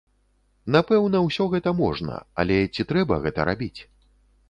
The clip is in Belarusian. Напэўна, усё гэта можна, але ці трэба гэта рабіць!?